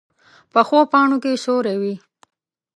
پخو پاڼو کې سیوری وي